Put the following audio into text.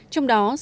trong đó sáu mươi